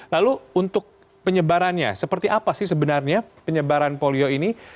lalu untuk penyebarannya seperti apa sih sebenarnya penyebaran polio ini